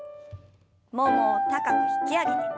ももを高く引き上げて。